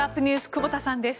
久保田さんです。